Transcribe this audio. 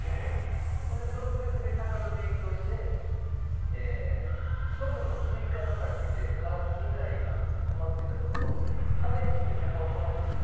ほんで独学で鷹の勉強をして祖父のスイカ畑でカラス被害があって困っていたところ試しに鷹を飛ばしてみた。